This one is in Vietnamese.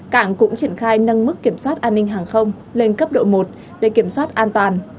cảng cũng triển khai nâng mức kiểm soát an ninh hàng không lên cấp độ một để kiểm soát an toàn